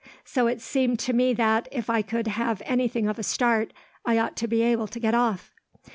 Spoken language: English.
So it seemed to me that, if I could have anything of a start, I ought to be able to get off.